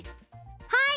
はい！